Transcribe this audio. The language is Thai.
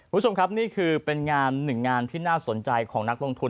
คุณผู้ชมครับนี่คือเป็นงานหนึ่งงานที่น่าสนใจของนักลงทุน